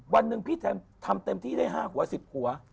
วันหนึ่งพี่ทำเต็มที่ได้๕หัว๑๐หัว